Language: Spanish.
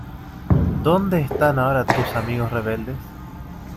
¿ Dónde están ahora tus amigos rebeldes?